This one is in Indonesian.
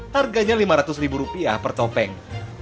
harganya lima ratus ribu rupiah per topeng